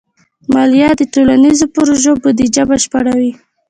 مالیه د ټولنیزو پروژو بودیجه بشپړوي.